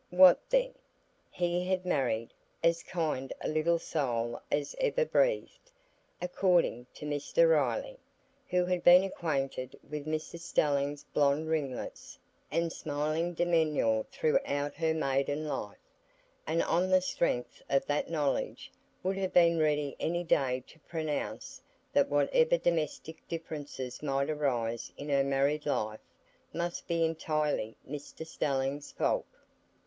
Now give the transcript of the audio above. What then? He had married "as kind a little soul as ever breathed," according to Mr Riley, who had been acquainted with Mrs Stelling's blond ringlets and smiling demeanour throughout her maiden life, and on the strength of that knowledge would have been ready any day to pronounce that whatever domestic differences might arise in her married life must be entirely Mr Stelling's fault.